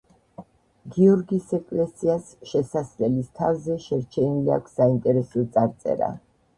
გიორგის ეკლესიას შესასვლელის თავზე შერჩენილი აქვს საინტერესო წარწერა.